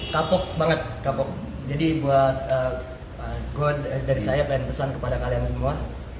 kapok banget kapok jadi buat dari saya pengen pesan kepada kalian semua